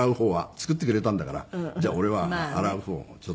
作ってくれたんだからじゃあ俺は洗う方をちょっとちょっと手伝う。